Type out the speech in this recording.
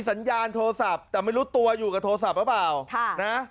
สัญญาณโทรศัพท์แต่ไม่รู้ตัวอยู่กับโทรศัพท์หรือเปล่าค่ะนะ